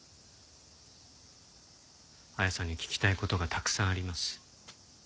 彩さんに聞きたい事がたくさんあります。